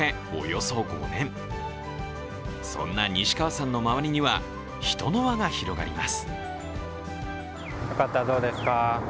そんな西川さんの周りには人の輪が広がります。